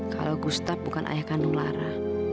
kalau gustaf bukan ayah kandung lara